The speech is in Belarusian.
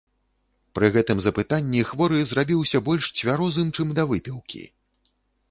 Пры гэтым запытанні хворы зрабіўся больш цвярозым, чым да выпіўкі.